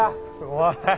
おい。